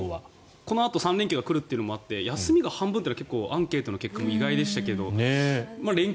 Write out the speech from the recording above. このあと３連休が来るというのもあって休みが半分というのはアンケートの結果は意外でしたけど